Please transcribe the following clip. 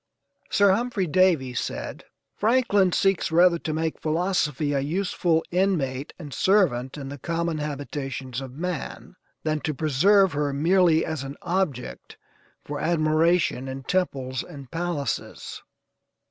Sir Humphrey Davy said: "Franklin seeks rather to make philosophy a useful inmate and servant in the common habitations of man, than to preserve her merely as an object for admiration in temples and palaces."